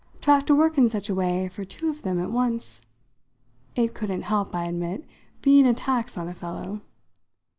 To have to work in such a way for two of them at once" it couldn't help, I admitted, being a tax on a fellow.